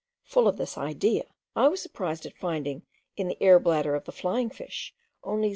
Full of this idea, I was surprised at finding in the air bladder of the flying fish only 0.